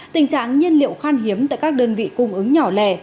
tình trạng nhiên liệu khan hiếm tại các đơn vị cung ứng nhỏ lẻ